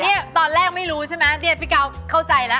นี่ตอนแรกไม่รู้ใช่มะนี่พี่กาวเข้าใจละ